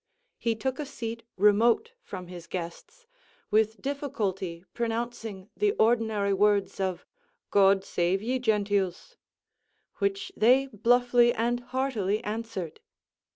He took a seat remote from his guests, with difficulty pronouncing the ordinary words of "God save ye, genteels," which they bluffly and heartily answered.